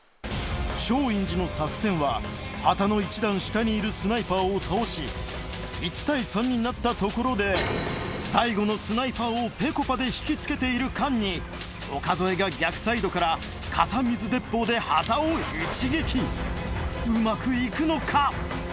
松陰寺の作戦は旗の１段下にいるスナイパーを倒し１対３になったところで最後のスナイパーをぺこぱで引きつけている間に岡副が逆サイドから傘水鉄砲で旗を一撃うまく行くのか？